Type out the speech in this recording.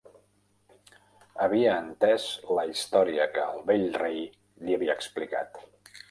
Havia entès la història que el vell rei li havia explicat.